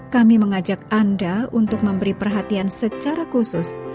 kami mengajak anda untuk memberi perhatian secara khusus